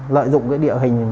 lợi dụng địa hình